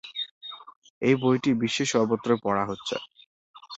এই বইটি বিশ্বের সর্বত্রই পড়া হচ্ছে।